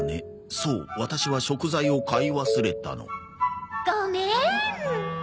「そう私は食材を買い忘れたの」ごめん。